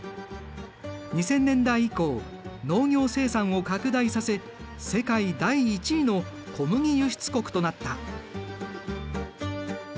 ２０００年代以降農業生産を拡大させ世界第１位の小麦輸出国となった。